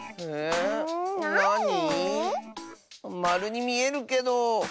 まるにみえるけど。